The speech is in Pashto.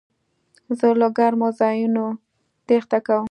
زه له ګرمو ځایونو تېښته کوم.